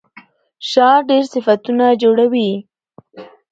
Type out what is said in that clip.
شا ډېر صفتونه جوړوي.